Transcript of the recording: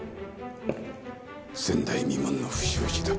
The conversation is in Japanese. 前代未聞の不祥事だ。